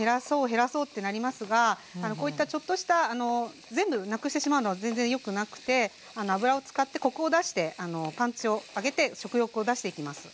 減らそうってなりますがこういったちょっとした全部なくしてしまうのは全然よくなくて油を使ってコクを出してパンチを上げて食欲を出していきます。